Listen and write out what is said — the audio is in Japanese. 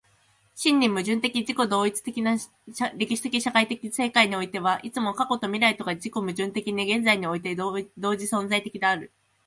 真に矛盾的自己同一的な歴史的社会的世界においては、いつも過去と未来とが自己矛盾的に現在において同時存在的である。